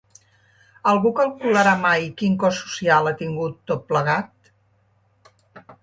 Algú calcularà mai quin cost social ha tingut, tot plegat?